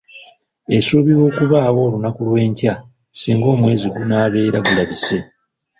Esuubirwa okubaawo olunaku lw'enkya singa omwezi gunaabera gulabise.